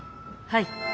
はい。